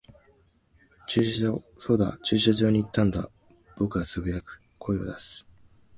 駐車場。そうだ、駐車場に行ったんだ。僕は呟く、声を出す。